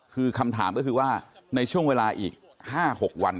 คือคำถามก็คือว่าในช่วงเวลาอีก๕๖วัน